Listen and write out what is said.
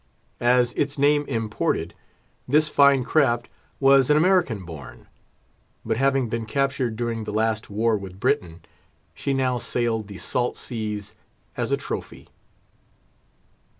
As its name imported, this fine craft was an American born; but having been captured during the last war with Britain, she now sailed the salt seas as a trophy.